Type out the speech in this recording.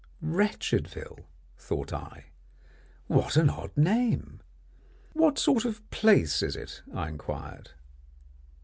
"Wretchedville," thought I; what an odd name! "What sort of a place is it?" I inquired.